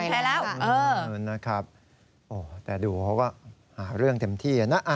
ก็แพ้แล้วเออนะครับแต่ดูเขาก็หาเรื่องเท็มที่